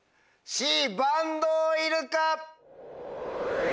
Ｃバンドウイルカ！